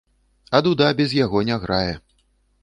А дуда без яго не грае.